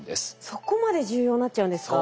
そこまで重要になっちゃうんですか？